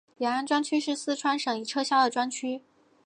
雅安专区是四川省已撤销的专区。